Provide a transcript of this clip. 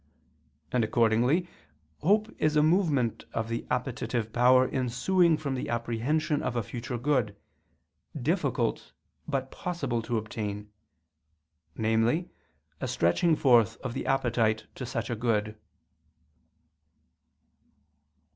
And accordingly hope is a movement of the appetitive power ensuing from the apprehension of a future good, difficult but possible to obtain; namely, a stretching forth of the appetite to such a good.